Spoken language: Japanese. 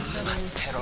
てろ